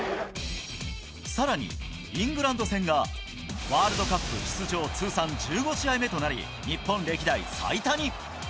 さらに、イングランド戦がワールドカップ出場通算１５試合目となり、日本歴代最多に。